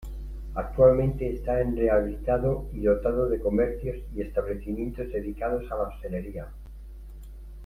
Actualmente está rehabilitado y dotado de comercios y establecimientos dedicados a la hostelería.